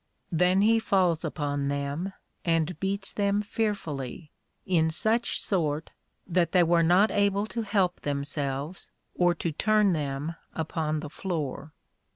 Then he falls upon them, and beats them fearfully, in such sort, that they were not able to help themselves, or to turn them upon the floor.